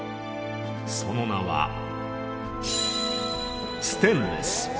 その名はステンレス。